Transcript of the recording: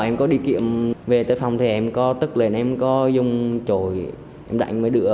em có đi kiệm về tới phòng thì em có tức lên em có dùng trổi em đánh với đựa